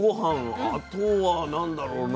あとは何だろうな。